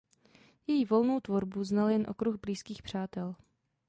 Její volnou tvorbu znal jen okruh blízkých přátel.